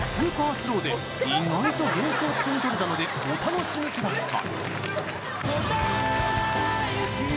スローで意外と幻想的に撮れたのでお楽しみください